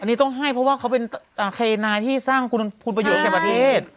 อันนี้ต้องให้เพราะว่าเขาเป็นเคนายที่สร้างคุณประโยชน์แก่ประเทศ